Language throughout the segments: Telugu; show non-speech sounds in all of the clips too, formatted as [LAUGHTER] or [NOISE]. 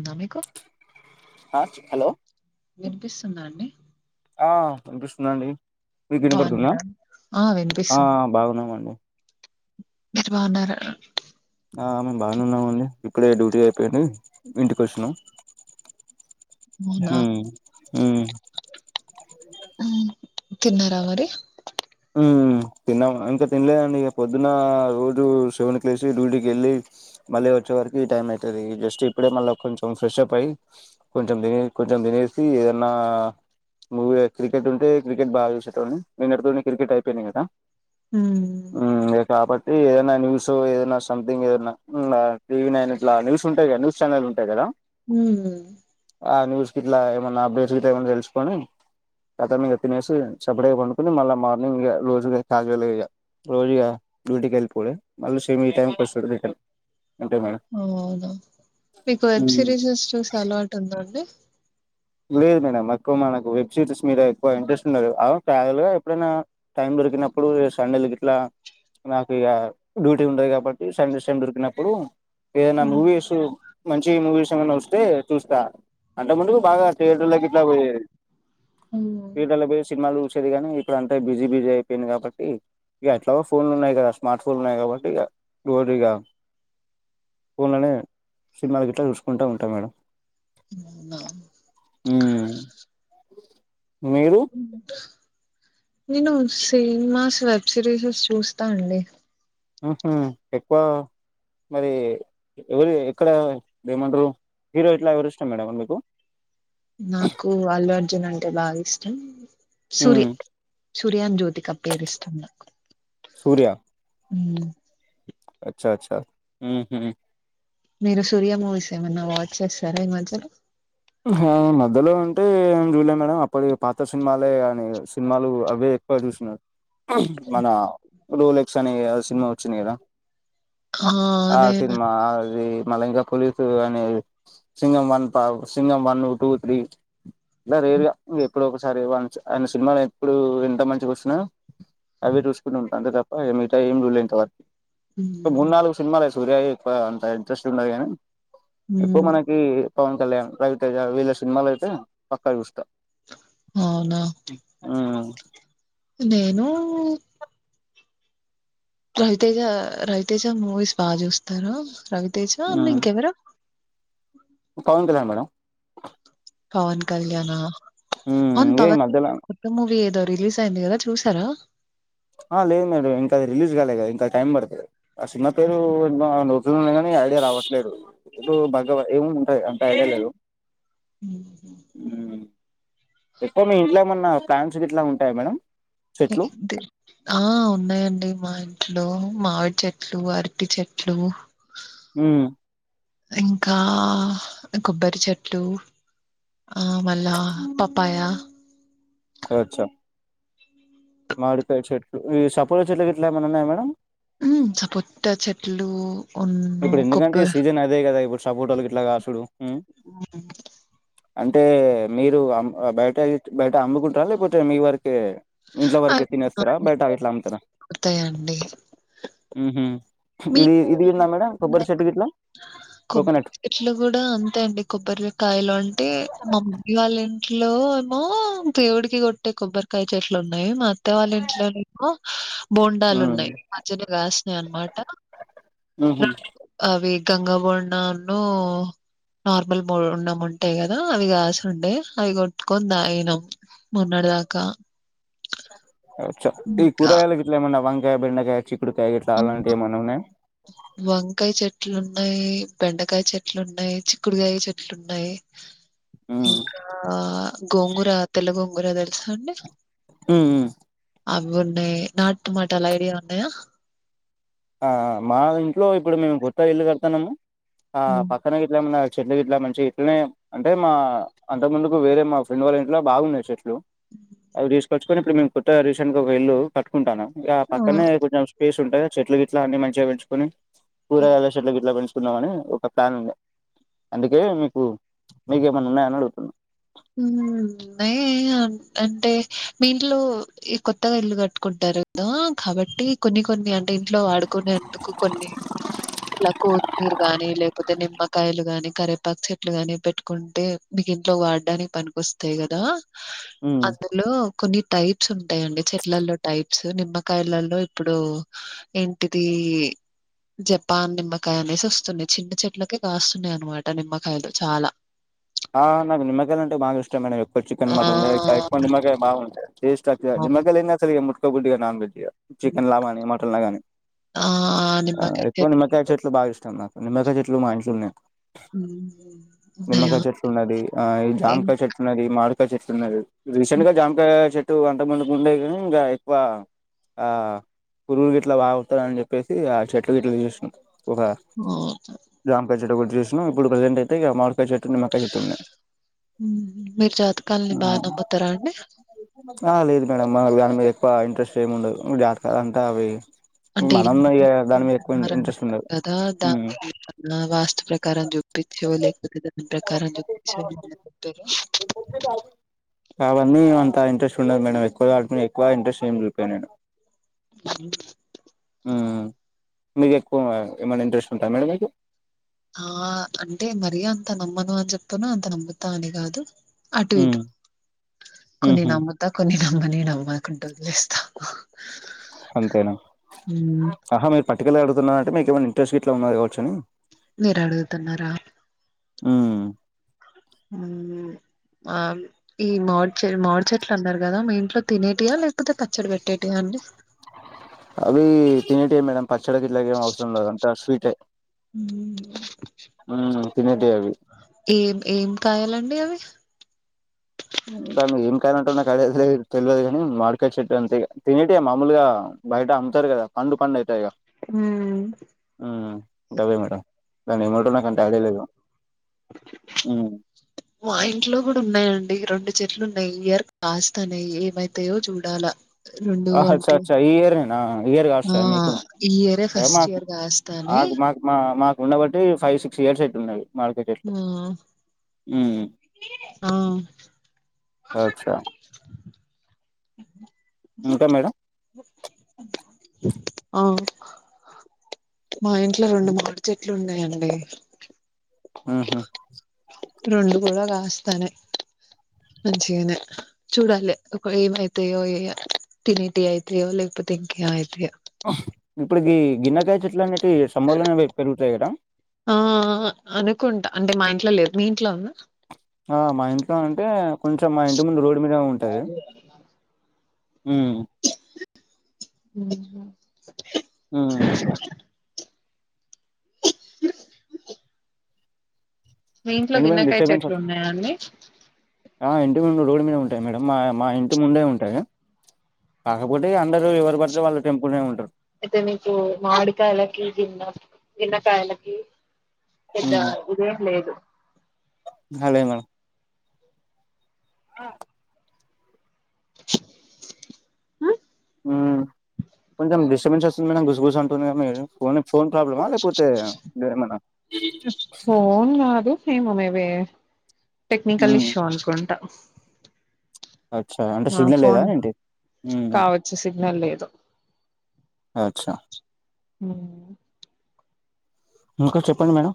ఉందా మీకు హలో వినిపిస్తుంద అండి ఆ పనిపిస్తుందండి మీక ఎన్ని పడుతుంద బాగున్నారా ఆ ఆ వినిపిస్తుంది బాగున్నామ అండి మీరు బాగున్నారు ఆ మేము బాగానేన్నాము అండి ఇప్పుడే డ్యూటీ అయిపోయింది ఇంటికి వచ్చినం అవునా హ మ్మ్. తిన్నారా మరి తిన్నాము ఇంకా తినలేదండి ఇక పొద్దున రోజు సెవెన్ క్ లేసి డ్యూటీకి వెళ్ళి మళ్ళీ వచ్చే వరకి టైం అవుతుంది జస్ట్ ఇప్పుడే మళ్ళీ కొంచెం ఫ్రెష్ అప్ అయ్యి కొంచెం తినే కొంచెం తినేసి ఏదన్నా మూీ క్రికెట్ ఉంటే క్రికెట్ బాగా చసేని నేను క్రికెట్ అయిపోయి కదా హ ఉమ్ కాబట్టి ఏదైనా న్యూస్ ఏదైనా సంథింగ్ ఏదైన్నా టీవీ నైన్ ఇట్లా న్యూస్ ఉంటా కద న్యూస్ ఛానల్ ఉంటాయి కదా హ ఆ న్యూస్ కి ఇట్లా ఏమైన్నా అప్డేట్స్ కితే ఏమైన్నా తెలుసుకొని కత మీ తినేసి సబడేగా పండుకుని మళ్ళీ మా ఇం రోజుగా క్యాజువల్ గా రోజుగా డ్యూటీకి వెళ్ళిపోయి మళ్ళీ సేమ్ ఈ టైమ్కి వస్తుం అ అవునా మీకు వెబ్ సిరీసెస్ చూసే అలవాటు ఉందా అండి లేదు మేడం ఎక్కువ మనకు వెబ్ సిరీస్ మీద ఎక్కువ ఇంట్రెస్ట్ ఉండదు. క్యాజవలుగా ఎప్పుడైనా టైం దొరికినప్పుడు సండేలకి ఇట్లా నాకు ఇక డ్యూటీ ఉంటది కాబట్టి సండేస్ టైమ్ దొరికినప్పుడు ఏ నాన్న మ్మ్. ఉఊవసు మంచి మూవీస్ నూస్తే చూస్తా అంట ముందుకు బాగా థియేటర్లకి ఇట్లా పోయిే మ్మ్. థియేటర్లో పోయి సినిమాలు చూసేది కానీ ఇప్పుడు అంతా బిజీ బిజీ అయిపోయింది కాబట్టి ఇక ఎట్లాగో ఫోన్లు ఉన్నాయి కదా స్మార్ట్ ఫోన్లు ఉన్నాయి కాబట్టి ఇక డోరీ ఇక ఫోన్లోనే సినిమాల గ ఇట్లా చూసుకుంటూ ఉంటాం మేడం ఉన్నా హ్మ్ మీరు నేను సినిమాస్ వెబ్ సిరీస్ చూస్తా అండి ఊహూ ఎక్కువ మరి ఎవరు ఎక్కడ ఏమంట్రు హీరో ఇట్లా ఎవరు ఇష్టం మేడం మీకు నాకు అల్లుఅర్జున్ అంటే బాగిష్. హ సూర్య మ్మ్ సుర్యాన్ జ్యోతిక పేరిష్టం నాకు. సూర్య ఉమ్ చ చ ఉమ్హూ మీరు సూర్యా మూవీసేమన్న వాచ్చేసారా ఈ మధ్యలో. హ మధ్యలో అంటేం జూల్ల మేడం అప్పడివే పాత సినిమాలే అని సినిమాలు అవే ఎక్కువ జూష్న. మన రోలెక్స్ అనే ఇగ సినిమా వొచ్చింది గదా. ఆ నేను సిన్మాది. మళ్ళి ఇంక పోలీసు అనే సింఘం వన్ పా. సింఘం వన్ను టూ త్రీ [UNINTELLIGIBLE] రేర్గా ఇంగెప్పుడో ఒగసారి వన్ చ్ ఆయన సినిమాలెప్పుడూ ఎంత మంచిగొచ్చినా అవే జూస్కుంటుంటా అంతే తప్ప ఎనీ టైమ్ [UNINTELLIGIBLE] మ్మ్. మూన్నాల్గు సినిమాలేస్ సూర్యది ఎక్కువ అంత ఇంట్రస్టుండద్ గానీ ఎక్కువ్ హ్మ్ మనకి పవన్ కళ్యాణ్ రవితేజ వీల్ల సినిమాలైతే పక్కా జూస్తా. ఉమ్ అ నేనూ రవితేజ రవితేజ మూవీస్ బా జూస్తాను రవిత్. తేజా మ్మ్ అన్నింకెవరో పవన్ కళ్యాణ్ మేడం. పవన్ కళ్యాణా ఔన్ ఇదే ఈ పవణ్ ది మధ్యలో కొత్త మూవి ఏదో రిలీజైంది గద చూసారా ఆ లేదు మేడం ఇంక రిలీజ్ కాలేగ ఇంకా టైం పడ్తది. అ షిన్మపేరు [UNINTELLIGIBLE] [UNINTELLIGIBLE] గానీ ఐడియా రావట్లేదు ఇడు బగ్గర ఏమేముంటాయి అంత ఐడియా లేదు. ఉమ్హూ ఎక్కువ మీ ఇంట్లో ఏమన్నా ప్రాన్స్ గిట్ల ఉంటాయా మేడమ్. [UNINTELLIGIBLE] ఆ ఉన్నాయండి మా ఇంట్లో మావిడ్ చెట్లు అర్టి చెట్లు ఉమ్ ఇంకా కొబ్బరి చెట్లు ఆ మళ్ళా పపాయ. అచ్చా మాడికాయ చెట్లు ఈ సపోటా చెట్లు గిట్లా ఏమైనా ఉన్నాయా మేడం. ఉహ్మ సపోటా చెట్ ట్లు ఇప్పుడు ఎందుకంటే. ఈ సీజన్ అదే కదా ఇప్పుడ్ సపోర్టల్ గిట్లా గాసుడు. ఆహ్ అంటే మీరు ఆమ్ బయట గిట్ బయట అమ్ముకుంట్ర. లేపోతే మీ వరక్ కె మీ ఇంట్ల వరకే అవి తినేస్తారా. బయటా గిట్లా అంతాదా. కొడతాయండి. ఉహ్మ్ హు ఇది మీకు ఇది [UNINTELLIGIBLE] మేడం కొబ్బరి చెట్టు గిట్లా కొబ్బరి కోకోనట్ చెెట్లు కూడా అంతే అండి. కొబ్బరికాయలాం అంటే మా మమ్మీ వాళ్ళ ఇంట్లో మో దేవుడికి కొట్టే కొబ్బరికాయ చెట్లు ఉన్నాయి. మా ఆత్ త్త వాాళ ఇంట్లో నేమో బోండాలు ఉన్నాయి. మా చెట్లకు కాసినై అనమాట ఉహ్ హు అవి గంగ బోడంను, నార్మల్ బోన్డం ఉంటాయి కదా. అవి కాసుండే అవి కొట్టుకొని తాగినం. మొన్నట్ దాకా అచ్చ ఈ కూరయలు గిట్ల ఏమన్నా. వన్ వంకాయ్, బెండకాయ్, చిక్ ఇప్పుడు క్యా [UNINTELLIGIBLE] గట్ అలాంటి హ్మ్. ఏమన్నా ఉన్నాయ్యా. వంకాయ చెట్లున్నాయి, బెండకాయ చెట్లు ఉన్నాయి, చిక్కుడుకాయ చెట్లు ఉన్నాయి. ఉ ఇంకా గోంగూర, తెల గోంగూర అదడ్ అండ్ ఉహ్ ఉహ్ అవున్నయి. నాట్మాటాల ఐడియా ఉన్నాయ్యా. ఆహ్ ఆ మా ఇంట్లో ఇప్పుడు మేము కొత్త ఇల్లు కడతన్నాము. ఆ పక్కన గిట్ల ఏమన్న చెట్లూ గిట్లా మంచి ఇట్లనే అంటే. మా అంతకు ముందుకు వేరే మా ఫ్రెండ్ వాళ్ళ ఇంట్లో బాగునాయి చెట్లు. అవి తీసుకొచ్చుక్ కొని ఇప్పుడు మేం కొత్తగా రసెట్గా ఒక ఇల్లు కట్టుకుంటానం. ఇగా ఆ పక్కనే కొంచం స్ ప్లేస్ ఉంటే చెట్లు గిట్ ట్లా అన్ని మంచిగా పెంచుకొని. కూరగాయల చెట్లు గిట్ల పెంచుక్ న్నా అని ఒక ప్లాన్ ఉంది అందుకే మీకు మీకు ఏమన్న ఉన్నాయని అడుగుతున్నా మ్ ఉన్నాయి అంటే మీ ఇంట్లో ఈ కొత్తగా ఇల్లు కట్టుకుంటారు కదా కాబట్టి కొన్ని కొన్ని అ ఇంట్లో వాడుకునే ఎందుకు కొన్ని ఇలా కో మీరు గాని లేకపోతే నిమ్మకాయలు గాని కరేపాకు చెట్లు గాని పెట్టుకుంటే మీగి ఇంట్లో వాడు డాని పనికొస్తాయి కదా ఉమ్ అందులో కొన్ని టైప్స్ ఉంటయండి చెట్లల్లో టైప్స్ నిమ్మకాయలలో ఇప్పుడు ఏంటిదిీ జపాన్ నిమ్మకాయ అనేసి ఒస్తున్నాయి చిన్న చెట్లకి కాస్తున్నాయి అనమాట నిమ్మకాయలు చాలా ఆ మరి నిమ్మ ంటె బా ఇష్టం మేడం ఎక్కడు చికెన్ ఆ! మటన్ చయిం మగ బాగుంటాయి టేస్ట్ అత్తదండి అవును. మగల్సరి గుడ్డిగా నాన్ వెజ్ యా హ్మ్. చికెన్ లా గానీ మటన్ లా గాని ఆ! ఎక్కువ నిమ్మకాయ చెట్లు బాగా ఇష్టం నాకు నిమ్మకాయ్ చెట్లు మా ఇంట్లున్నయ్ మ్ దయా ది ఆ ఇ జాంకా చెట్టున్నది మాడికాయ్ చెట్టున్నది రీసెంట్గా జామ్ కాయ్ చె చెట్టు వంట మందుకు ఉండే కాని గా ఇంకా ఎక్కువ ఆ పురుగులు గట్లా బాగాస్తయ్ అని చెప్పేసి ఆ చెట్లు గట్లా చూస్తు ఒక ఓహ్! జమ్కాకాయ్ చెట్టు చేసినం ఇప్పుడు ప్రజెంట్ అతే మాడికాయ్ చెట్ మ్ మీరు జాతకాలని బాగా నమ్ముతారా అండి ఏ లేదు మేడంమ్ దాని మీద ఎక్కువ ఇంట్రెస్ట్ ఏమిముండదు జాతక అంతా అవి అంటే మనం ఇగ దాని మీద ఎక్కువ ఇలా ఇంట్రెస్ట్ ఉండదు కదా దా ఉమ్ వాస్తు ప్రకారం చూపించేవ లేకపోతే వి ప్ర జక్తిషరు ఎంత ఇంట్రస్ట్ ఉండదు మడం ఎక్కువ ఆటో మీద ఎక్కువ ఇంట్రెస్ ఏమ్ జూపియనేను అ మ్ మీకు ఎక్కువ ఏమైనా ఇంట్రెస్ట్ ఉంటాయా మేడం మీకు ఆ అంటే మరీ అంత నమ్మను అని చెప్పను అంత నమ్ముతా అని కాదు అటు ఉమ్ ఇటు కొన్ని ఉహు నమ్ముతా కొన్ని నమ్మనీ నవ మాకుంట వల్లే స్త అంతేన అహ మీర్ పటికల అడుతున్నాంటే మీకు ఏమనా ఇంట్రెస్ట్ గిట్ట ఉన్నది గావచ్చని మీరు అడుగుతున్నారా మ్ మ్ ఆ ఈ మాడిచె మాడి చెట్లు అన్నారు గదా మీ ఇంట్లో తినేటియా లేకపోతే పచ్చడి పెట్టేటియా అండి అవి తనిటీ మేడం పచ్చడికి ఇట్లాక ఏమి అవసరం లేదు అంట స్వీటే మ్మ్. ఊ తినేటి అవి. ఏం ఏం కాయాలండి అవి దాన్ని ఏం కాయ అంటో నాకు ఐడియా తె తెలియదు కాని, మార్కెట్ చెట్టు అంతే తినేట్వె మామూలుగా బయట అమ్ముతారు కదా పండు పండు అవుతా ఇక. ఊ ఆ అదే మేడం దాన్ని ఏమంటరో నాకంత ఐడియా లేదు ఉమ్ మా ఇంట్లో కూడా ఉన్నాయండి రెండు చెట్లున్నాయి ఈయర్ కాస్తన్నాయి ఏమైతాయో చూడాలా. రెండు ఆ అచ్చ అంటే అచ్చ ఇయర్ ఎన ఇయర్ ఆ కాస్తాయా మీకు ఈ ఇయరే ఏ ఫస్ట్ మాకు ఇయర్ కాస్తాన్నాయి మాకు మాకు మాకు ఉన్నబట్టి ఫైవ్, సిక్స్ ఇయర్స్ అయితుందండి ఆ ఊ ఆ అచ్చా ఇంకా మేడం [INAUDIBLE] [UNINTELLIGIBLE] ఆ మా ఇంట్లో రెండు మూడు చెట్లు ఉన్నాయండి. అండి ఆహా రెండు కూడా కాస్తానే మంచిగానే చూడాలి ఒక ఏమై తేయోఏయ తినేటిఅయితయో లేకాపోతే ఇంకేమయితాయో. వహ్ ఇప్పుడుకి గిన్నెకాయ చెట్లన్న ఇవి సమ్మర్ లోనే పెరుగుతాయ్ కదా. ఆహ అనుకుంటా అంటే మా ఇంట్లో లేదు మీ ఇంట్లో ఉందా. ఆ మా ఇంట్లో అంటే కొంచెం మా ఇంటి ముందు రోడ్డు మీద కాజు ఊ ఉహు ఉమ్ [UNINTELLIGIBLE] మీ ఇంట్లో ఎండు మిరప గిన్నెకాయ డిస్టర్బెన్స్ చెట్లు ఉన్నాయాండి. [INAUDIBLE] ఆ ఇంటి ముందు రోడ్డు మీద ఉంటాయి మేడం. మా మా ఇంటి ముందే ఉంటాయి, కాకపోతే అందరు ఎవరు పడితే వాళ్లు తెంపుకునే ఉంటారు. అయితే మీకు మాడికాయలకి గిన్న గన్నకాయలకి పెద్ద ఇదేం లేదు. అ లే మేడం ఆ [UNINTELLIGIBLE] ఉ కొంచెం డిస్టబెన్సు వొ స్తుంది మేడం గుస్గుస్ అంటు ఫోన్ ఫోన్ ప్రాబ్లమా లేకపోతే ఏమన్నా ఫోన్ కాదు ఏమో మేబి టెక్నికల్ హ్మ్. ఇష్యూ అనుకుంటా అచ్చా! అంటే ఆ సిగ్నల్ లేదా ఫోన్ ఏంటి? హ్మ్. కావచ్చు సిగ్నల్ లేదు అచ్చా ఉ ఇంకా చెప్పండి మేడం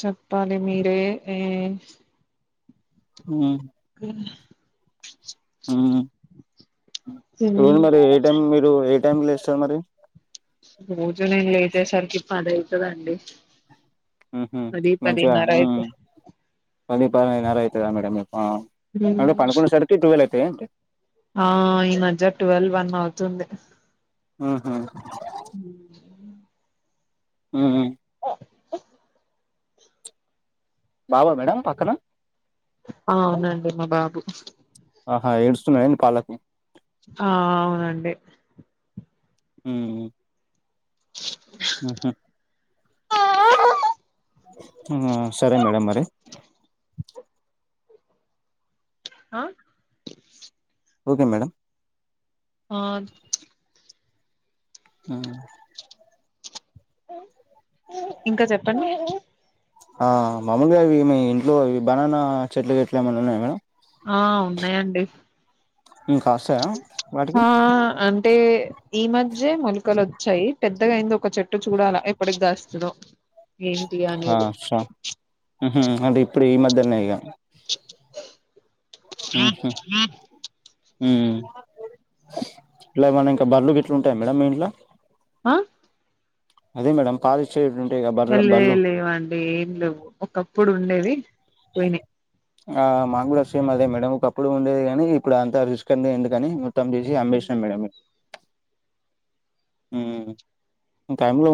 చెప్పాలి మీరే ఎ ఉ అ ఉ ఇడు మరి ఏ టైం మీరు ఏ టైమ్ లో ఇస్తారు మరి రోజు నేను లేచేసరికి పది అయితదండి ఊహు పది మంచిగ పదిన్నర ఉ అయితే [UNINTELLIGIBLE] అ అంటే పడుకునేసరికి ట్వెల్వ్ ఏంటి ఆ ఈ మధ్య ట్వెల్వ్ వన్ అవుతుంది ఆహ ఉ బావ మేడం పక్కన ఆ అవునండి మా బాబు ఆహా ఏడుస్తున్నాడా ఏంటి పాలకు ఆ అవునండి ఉ ఆ సరే మేడం మరి ఆ ఓకే మేడం ఆ ఆ ఇంకా చెప్పండి ఆ మామూలుగా ఇవి మీ ఇంట్లో ఇవి బనానా చెట్లు గిట్ల ఏమైనా ఉన్నాయా మేడం ఆ ఉన్నాయండి ఇంకా అస్తయా వాటికి? టే ఈ మధ్యే మొలకలు వచ్చాయి. పెద్దగా అయింది ఒక చెట్టు చూడాలా, ఎప్పటికి గాస్తదో? హా చ్చ ఉమ్, అంటే ఇప్పుడె ఈ మధ్య నయిగా ఆ ఆ ఉమ్ ఇలా ఎమన్న ఇంకా బర్లు గిట్ల ఉంటాయ మేడమ్ మీ ఇంట్ల? ఆ? అదే మేడమ్ పాలిచ్ లేదు లేవండి ఏం లేవు, ఒక్క ప్పుడు ఉండేవి, పోయినయి. ఆ మాగ్గుడా సేమ్ అదే మేడం, ఒకప్పుడు ఉండేది కని ఇప్పుడు అంత రిస్క్ అంత్ ఎందుకని. ప్పేసి అమ్మేసినం మేడం మేము. ఉమ్ టైంల